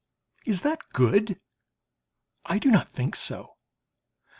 Is that good??? I do not think so.